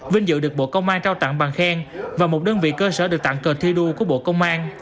vinh dự được bộ công an trao tặng bằng khen và một đơn vị cơ sở được tặng cờ thi đua của bộ công an